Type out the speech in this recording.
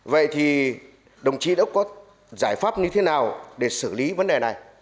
vậy thì đồng chí đã có giải pháp như thế nào để xử lý vấn đề này